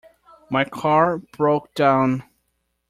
My car broke down.